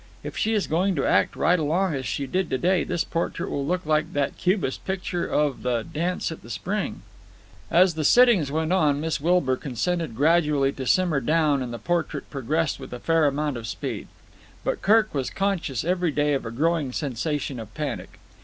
If she is going to act right along as she did to day this portrait will look like that cubist picture of the 'Dance at the Spring'." As the sittings went on Miss Wilbur consented gradually to simmer down and the portrait progressed with a fair amount of speed. But Kirk was conscious every day of a growing sensation of panic.